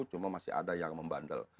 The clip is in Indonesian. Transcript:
cuma masih ada yang membandel